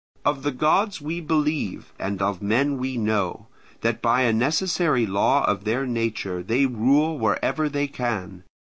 Of the gods we believe, and of men we know, that by a necessary law of their nature they rule wherever they can.